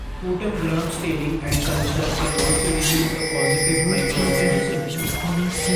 Sputum Gram staining and culture can also reveal the causative microorganism.